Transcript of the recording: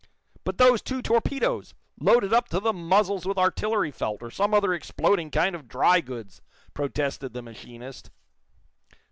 "But those two torpedoes, loaded up to the muzzles with artillery felt, or some other exploding kind of dry goods!" protested the machinist.